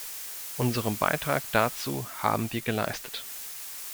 Unseren Beitrag dazu haben wir geleistet.